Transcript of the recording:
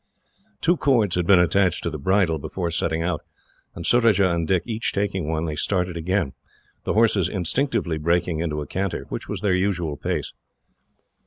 Two cords had been attached to the bridle, before setting out, and Surajah and Dick each taking one, they started again, the horses instinctively breaking into a canter, which was their usual pace.